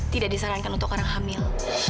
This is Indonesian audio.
tidak disarankan untuk orang hamil